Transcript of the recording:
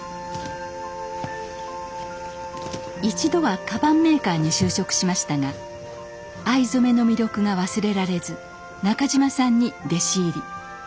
一度はカバンメーカーに就職しましたが藍染めの魅力が忘れられず中島さんに弟子入り。